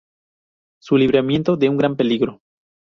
Su libramiento de un gran peligro.